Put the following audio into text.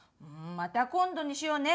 また今度にしようね！